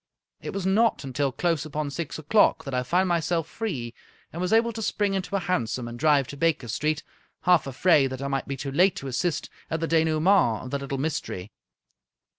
It was not until close upon six o'clock that I found myself free, and was able to spring into a hansom and drive to Baker Street, half afraid that I might be too late to assist at the denoue ment of the little mystery.